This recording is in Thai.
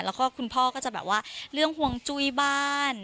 แล้วก็คุณพ่อก็จะแบบว่าเรื่องห่วงจุ้ยบ้าน